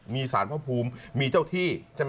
มีสารพระภูมิมีเจ้าที่